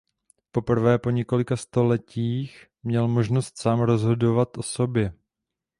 Poprvé po několika stoletích měl možnost sám rozhodovat o sobě.